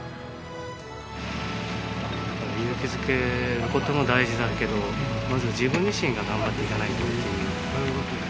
勇気づけることも大事だけど、まず自分自身が頑張っていかないと。